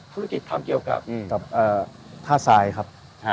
ธุรกิจทำเกี่ยวกับ